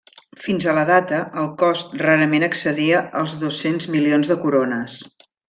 Fins a la data el cost rarament excedia els dos-cents milions de corones.